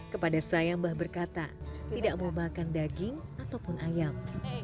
kepada saya mbah berkata tidak mau makan daging ataupun ayam